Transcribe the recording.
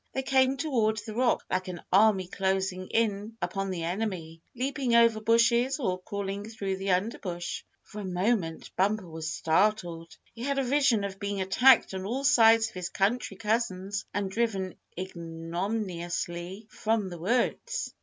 They came toward the rock like an army closing in upon the enemy, leaping over bushes or crawling through the underbrush. For a moment Bumper was startled. He had a vision of being attacked on all sides by his country cousins and driven ignominiously from the woods.